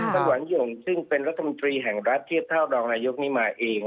หวังหย่งซึ่งเป็นรัฐมนตรีแห่งรัฐเทียบเท่ารองนายกนี้มาเอง